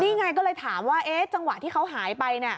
นี่ไงก็เลยถามว่าจังหวะที่เขาหายไป